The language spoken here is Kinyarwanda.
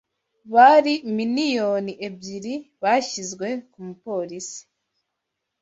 bari miniyoni ebyiri zashyizwe kumupolisi